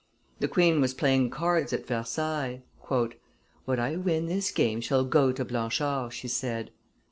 The queen was playing cards at Versailles. "What I win this game shall go to Blanchard," she said.